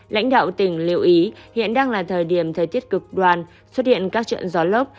lãnh đạo tỉnh lưu ý hiện đang là thời điểm thời tiết cực đoàn xuất hiện các trận gió lốc